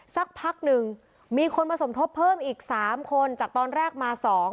สักพักหนึ่งมีคนมาสมทบเพิ่มอีก๓คนจากตอนแรกมา๒